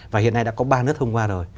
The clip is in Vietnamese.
và hiện nay đã có ba nước thông qua rồi